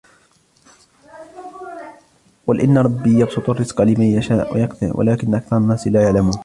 قل إن ربي يبسط الرزق لمن يشاء ويقدر ولكن أكثر الناس لا يعلمون